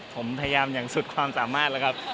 ผมพยายามอย่างสุดความสามารถแล้วครับ